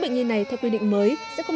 bệnh nhân này theo quy định mới sẽ không